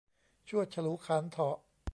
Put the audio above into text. ชวด ฉลู ขาล เถาะ